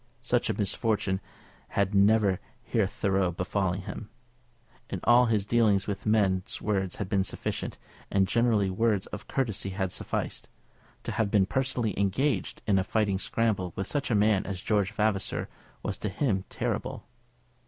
Such a misfortune had never hitherto befallen him. In all his dealings with men words had been sufficient, and generally words of courtesy had sufficed. To have been personally engaged in a fighting scramble with such a man as George Vavasor was to him terrible.